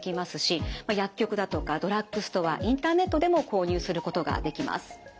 薬局だとかドラッグストアインターネットでも購入することができます。